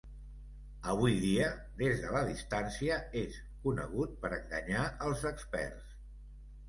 Avui dia, des de la distància, és "conegut per enganyar els experts".